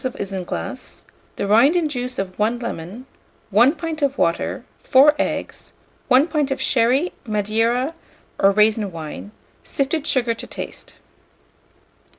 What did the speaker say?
of isinglass, the rind and juice of 1 lemon, 1 pint of water, 4 eggs, 1 pint of sherry, Madeira, or raisin wine; sifted sugar to taste.